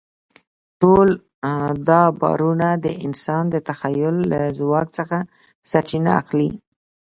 ټول دا باورونه د انسان د تخیل له ځواک څخه سرچینه اخلي.